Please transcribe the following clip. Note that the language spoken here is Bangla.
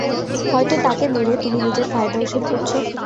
হয়ত তাকে মেরে তুমি নিজের ফায়দা উশুল করছো?